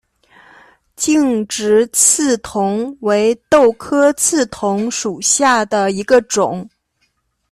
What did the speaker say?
劲直刺桐为豆科刺桐属下的一个种。